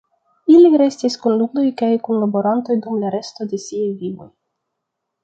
Ili restis kunuloj kaj kunlaborantoj dum la resto de siaj vivoj.